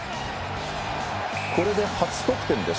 これで、初得点です。